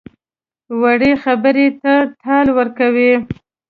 وړې خبرې ته ټال ورکوي.